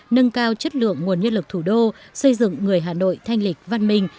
nâng cao chất lượng nguồn nhân lực thủ đô xây dựng người hà nội thanh lịch văn minh